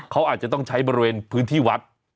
เขาอาจจะต้องใช้บริเวณพื้นที่วัด